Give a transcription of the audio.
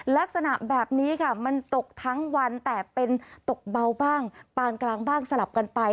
ลักษณะแบบนี้ค่ะมันตกทั้งวันแต่เป็นตกเบาบ้างปานกลางบ้างสลับกันไป